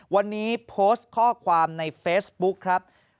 วันนี้โพสต์ข้อความในเฟซบุ๊คครับ